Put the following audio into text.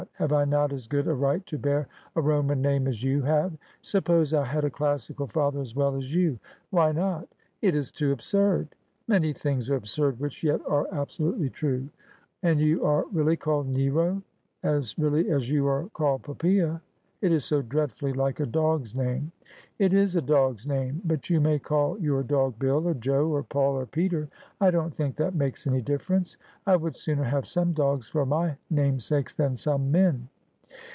Have I not as good a right to bear a Roman name as you have? Suppose I had a classical father as well as you. Why not V ' It is too absurd.' ' Many things are absurd which yet are absolutely true.' ' And you are really called Nero ?'' As really as you are called Poppaja.' ' It is so dreadfully like a dog's name.' ' It is a dog's name. But you may call your dog Bill, or Joe, or Paul, or Peter. I don't think that makes any difference. I would sooner have some dogs for my namesakes than some men.'